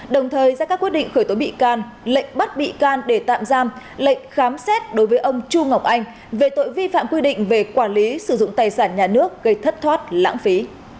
đồng thời ra các quyết định khởi tố bị can lệnh bắt bị can để tạm giam lệnh khám xét đối với ông chu ngọc anh về tội vi phạm quy định về quản lý sử dụng tài sản nhà nước gây thất thoát lãng phí